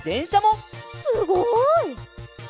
すごい！